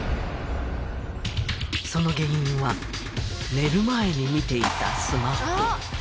その原因は寝る前に見ていたスマホ。